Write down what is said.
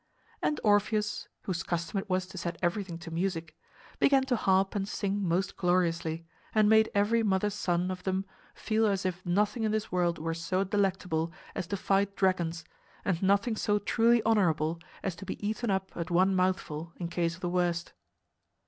And Orpheus (whose custom it was to set everything to music) began to harp and sing most gloriously, and made every mother's son of them feel as if nothing in this world were so delectable as to fight dragons and nothing so truly honorable as to be eaten up at one mouthful, in case of the worst.